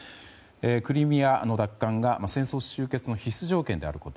クリミアの奪還が戦争終結の必須条件であること。